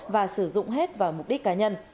và sử dụng hết vào mục đích cá nhân